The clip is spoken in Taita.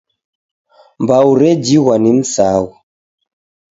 Mbau rejighwa ni msaghu